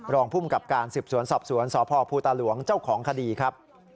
รองภูมิกับการสืบสวนสอบสวนสพภูตาหลวงเจ้าของคดีครับ